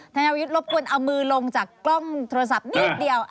นายุทธ์รบกวนเอามือลงจากกล้องโทรศัพท์นิดเดียว